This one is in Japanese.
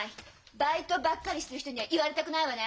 バイトばっかりしてる人には言われたくないわね！